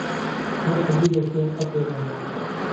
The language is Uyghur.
بۇ خۇددى دوسكىغا خەت يازغانغا ئوخشاش.